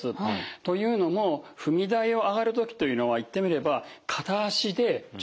というのも踏み台を上がる時というのは言ってみれば片足で上体を引き上げる。